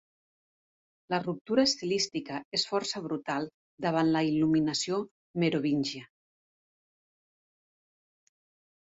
La ruptura estilística és força brutal davant la il·luminació merovíngia.